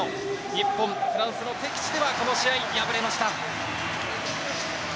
日本、フランスの敵地でこの試合敗れました。